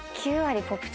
９割！